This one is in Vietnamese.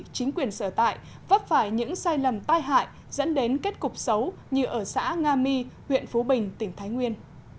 chính quyền sở tại vấp phải những sai lầm tai hại dẫn đến kết cục xấu như ở xã nga my huyện phú bình tỉnh thái nguyên